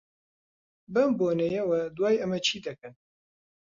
بەم بۆنەیەوە، دوای ئەمە چی دەکەن؟